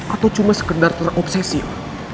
atau cuma sekedar terobsesi om